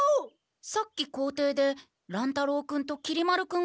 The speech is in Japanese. さっき校庭で乱太郎君ときり丸君が。